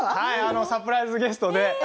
サプライズゲストで。